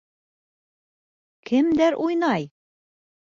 Кемдәр уйнай?